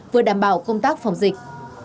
vừa đảm bảo công tác phòng dịch